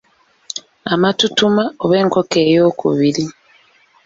Amatutuma oba enkoko eyookubiri.